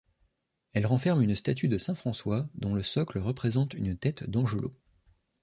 Elle renferme une statue de saint François dont le socle représente une tête d'angelot.